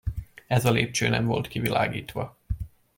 Ez a lépcső nem volt kivilágítva.